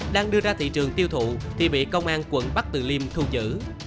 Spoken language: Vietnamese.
đang đưa ra thị trường tiêu thụ thì bị công an quận bắc từ liêm thu giữ